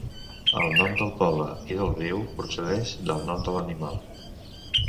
El nom del poble i del riu procedeix del nom de l'animal.